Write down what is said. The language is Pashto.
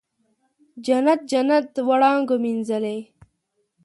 جنت، جنت وړانګو مینځلې